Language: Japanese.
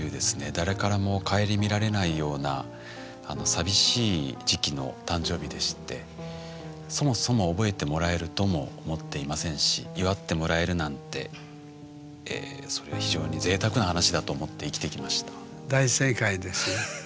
誰からも顧みられないような寂しい時期の誕生日でしてそもそも覚えてもらえるとも思っていませんし祝ってもらえるなんてそれは非常にぜいたくな話だと思って生きてきました。